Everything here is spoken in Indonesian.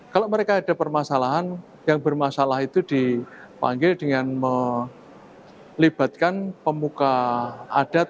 kalau mereka ada permasalahan yang bermasalah itu dipanggil dengan melibatkan pemuka adat